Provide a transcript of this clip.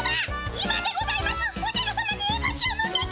今でございます！